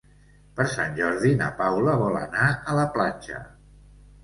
Per Sant Jordi na Paula vol anar a la platja.